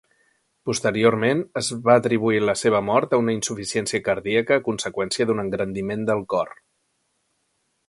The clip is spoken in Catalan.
Posteriorment, es va atribuir la seva mort a una insuficiència cardíaca a conseqüència d'un engrandiment del cor.